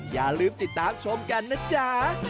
อย่าลืมติดตามชมกันนะจ๊ะ